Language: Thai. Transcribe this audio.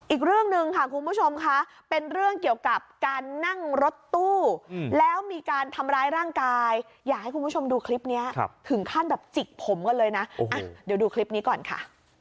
อีกเรื่องหนึ่งค่ะคุณผู้ชมค่ะเป็นเรื่องเกี่ยวกับการนั่งรถตู้แล้วมีการทำร้ายร่างกายอยากให้คุณผู้ชมดูคลิปนี้ถึงขั้นแบบจิกผมกันเลยนะเดี๋ยวดูคลิปนี้ก่อนค่ะ